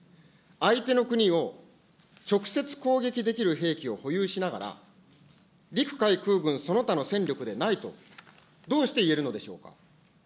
相手の国を直接攻撃できる兵器を保有しながら、陸海空軍その他の戦力でないと、どうして言えるのでしょうか。